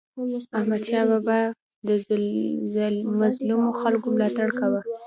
احمدشاه بابا به د مظلومو خلکو ملاتړ کاوه.